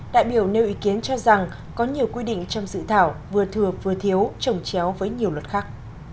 đại biểu nêu ý kiến cho rằng có nhiều quy định trong dự thảo vừa thừa vừa thiếu trồng chéo với nhiều luật khác